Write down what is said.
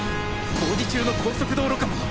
工事中の高速道路かも。